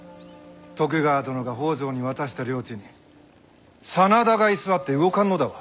徳川殿が北条に渡した領地に真田が居座って動かんのだわ。